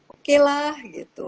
oke lah gitu